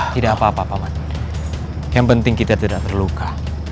tidak apa apa paman yang penting kita tidak terluka